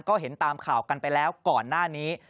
ก็เห็นตามข่าวกันไปแล้วก่อนหน้านี้